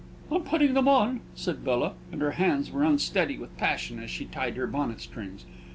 "I'm putting them on," said Bella; and her hands were unsteady with passion as she tied her bonnet strings.